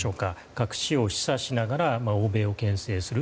核使用を示唆しながら欧米を牽制する。